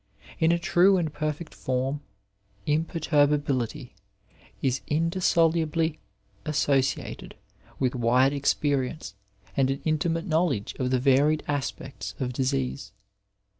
In a true and perfect form, imperturbability is indissolubly associated with wide experience and an intimate knowledge of the varied aspects of disease.